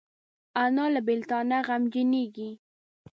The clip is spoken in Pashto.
انا له بیلتانه غمجنېږي